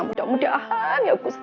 mudah mudahan ya gusti